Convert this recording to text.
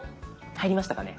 入りましたかね。